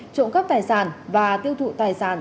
trộm các tài sản và tiêu thụ tài sản